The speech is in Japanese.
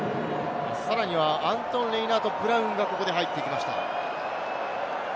さらにはアントン・レイナートブラウンが入ってきました。